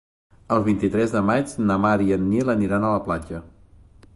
El vint-i-tres de maig na Mar i en Nil aniran a la platja.